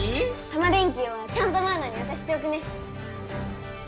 ⁉タマ電Ｑはちゃんとマウナにわたしておくね。